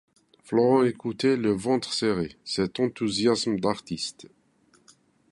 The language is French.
Florent écoutait, le ventre serré, cet enthousiasme d’artiste.